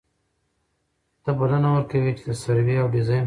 ته بلنه ور کوي چي د سروې او ډيزاين په برخه کي